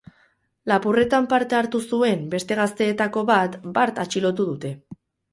Lapurretan parte hartu zuen beste gazteetako bat bart atxilotu dute.